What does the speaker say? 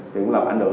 cũng làm ảnh hưởng